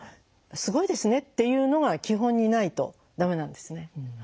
すごいですねっていうのが基本にないとダメなんですね。